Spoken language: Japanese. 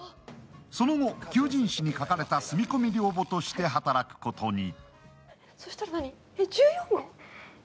その後、求人誌に書かれた住み込み寮母として働くことに。